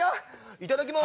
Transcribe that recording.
いただきます。